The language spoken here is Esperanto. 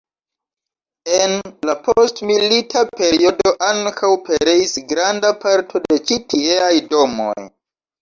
En la postmilita periodo ankaŭ pereis granda parto de ĉi tieaj domoj.